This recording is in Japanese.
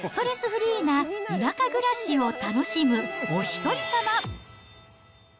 フリーな田舎暮らしを楽しむおひとりさま。